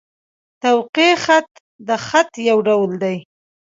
توقع خط؛ د خط یو ډول دﺉ.